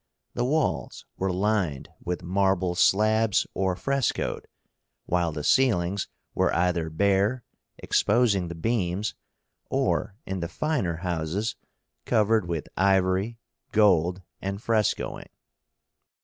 The walls were lined with marble slabs, or frescoed, while the ceilings were either bare, exposing the beams, or, in the finer houses, covered with ivory, gold, and frescoing.